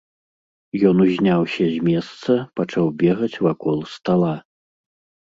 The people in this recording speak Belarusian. Ён узняўся з месца, пачаў бегаць вакол стала.